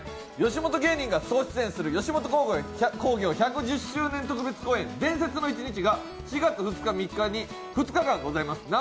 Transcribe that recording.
吉本芸人が総出演する吉本興業１１０周年特別公演「伝説の一日」が４月２日、３日、２日間ございます。